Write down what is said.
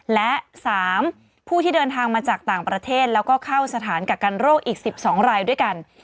และ๓ผู้ที่เดินทางมาจากต่างประเทศแล้วก็เข้าสถานกักกันโรคอีก๑๒รายด้วยกัน